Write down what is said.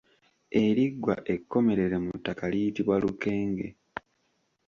Eriggwa ekkomerere mu ttaka liyitibwa Lukenge.